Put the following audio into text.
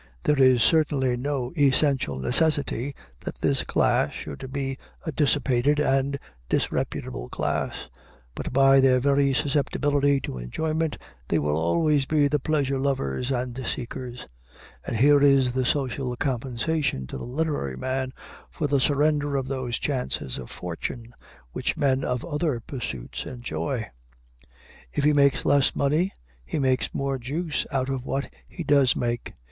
There is certainly no essential necessity that this class should be a dissipated and disreputable class, but by their very susceptibility to enjoyment they will always be the pleasure lovers and seekers. And here is the social compensation to the literary man for the surrender of those chances of fortune which men of other pursuits enjoy. If he makes less money, he makes more juice out of what he does make.